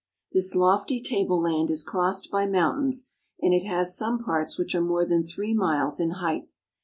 This lofty table land is crossed by mountains, ^ and it has some parts which are more than three miles in height.